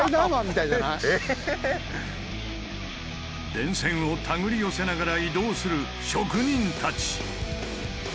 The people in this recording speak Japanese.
電線を手繰り寄せながら移動する職人たち！